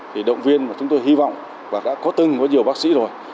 thì động viên mà chúng tôi hy vọng và đã có từng với nhiều bác sĩ rồi